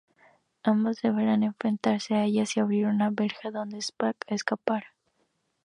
Ambos deberán enfrentarse a ellas y abrir una verja por donde escapar.